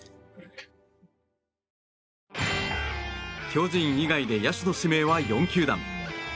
巨人以外で野手の指名は４球団。